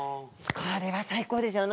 これは最高ですよ。